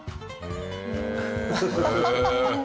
へえ！